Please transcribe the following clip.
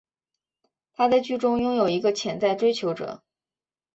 她在剧中拥有一个潜在追求者。